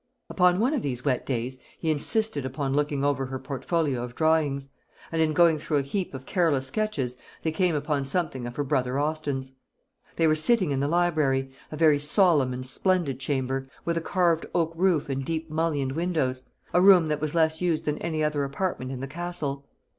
Upon one of these wet days he insisted upon looking over her portfolio of drawings; and in going through a heap of careless sketches they came upon something of her brother Austin's. They were sitting in the library, a very solemn and splendid chamber, with a carved oak roof and deep mullioned windows, a room that was less used than any other apartment in the Castle.